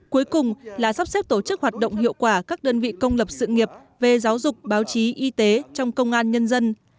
cuối cùng là sắp xếp tổ chức hoạt động hiệu quả các đơn vị công lập sự nghiệp về giáo dục báo chí y tế trong công an nhân dân